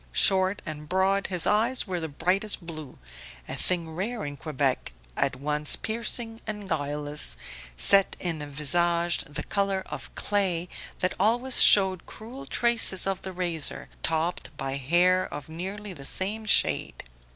Short and broad, his eyes were the brightest blue a thing rare in Quebec at once piercing and guileless, set in a visage the colour of clay that always showed cruel traces of the razor, topped by hair of nearly the same shade.